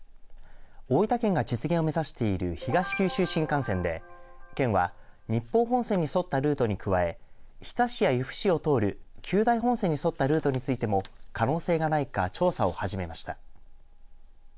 大分県が実現を目指している東九州新幹線で県は日豊本線に沿ったルートに加え日田市や由布市を通る久大本線に沿ったルートについても可能性がないか調査を始めました。